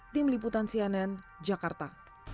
tim liputan cnn jakarta